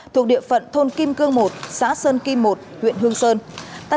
thuộc địa phận thôn kim cương một xã sơn kim một huyện hương sơn